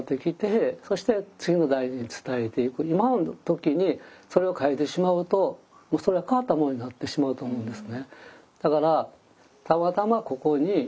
今の時にそれを変えてしまうともうそれは変わったものになってしまうと思うんですね。